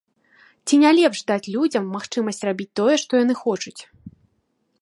Ці не лепш даць людзям магчымасць рабіць тое, што яны хочуць?